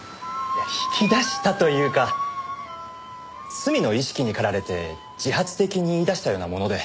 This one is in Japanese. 引き出したというか罪の意識に駆られて自発的に言い出したようなもので。